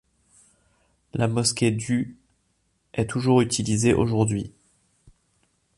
La mosquée du est toujours utilisée aujourd'hui.